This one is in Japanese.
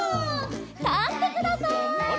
たってください。